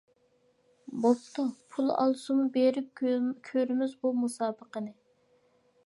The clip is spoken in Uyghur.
بوپتۇ، پۇل ئالسىمۇ بېرىپ كۆرىمىز بۇ مۇسابىقىنى.